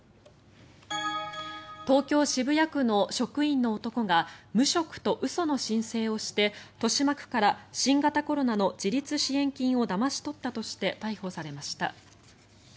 東京・渋谷区の職員の男が無職と嘘の申請をして豊島区から新型コロナの自立支援金をだまし取ったとして逮捕されました。